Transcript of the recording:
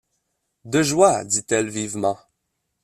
De joie, dit-elle vivement.